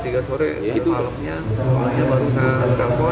jam tiga sore malamnya malamnya baru saya berkampung sudah jam sembilan